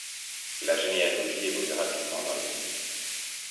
La généalogie évolue rapidement dans le Midi.